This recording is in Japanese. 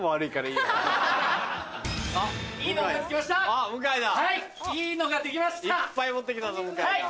いっぱい持って来たぞ向井が。